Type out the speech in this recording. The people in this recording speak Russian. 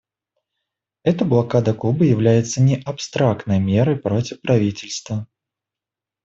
Эта блокада Кубы является не абстрактной мерой против правительства.